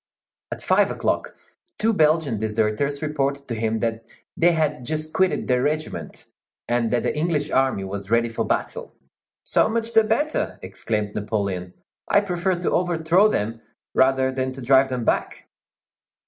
At five o'clock, two Belgian deserters reported to him that they had just quitted their regiment, and that the English army was ready for battle. "So much the better!" exclaimed Napoleon. "I prefer to overthrow them rather than to drive them back."